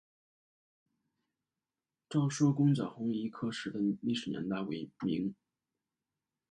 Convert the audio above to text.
赵纾攻剿红夷刻石的历史年代为明。